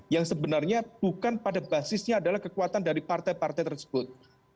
yang sebenarnya bukan pada basisnya adalah kekuatan dari partai partai tersebut